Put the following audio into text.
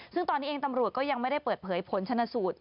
ซึ่งตอนนี้เองตำรวจก็ยังไม่ได้เปิดเผยผลชนสูตร